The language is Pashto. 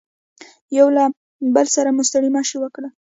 یو له بل سره مو ستړي مشي وکړل.